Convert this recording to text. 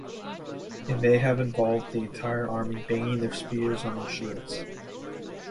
It may have involved the entire army banging their spears on their shields.